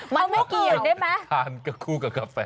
มันไม่เกี่ยวมันคือกิ่วทานกับกาแฟ